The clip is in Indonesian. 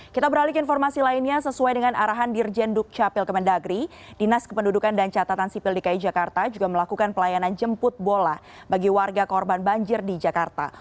kita beralih ke informasi lainnya sesuai dengan arahan dirjen dukcapil kemendagri dinas kependudukan dan catatan sipil dki jakarta juga melakukan pelayanan jemput bola bagi warga korban banjir di jakarta